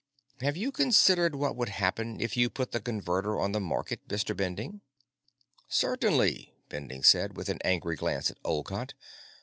Have you considered what would happen if you put the Converter on the market, Mr. Bending?" "Certainly," Bending said, with an angry glance at Olcott.